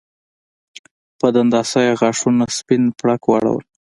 په دنداسه یې غاښونه سپین پړق واړول